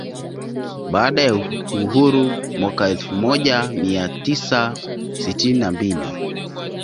Baada ya uhuru mwaka elfu moja mia tisa sitini na mbili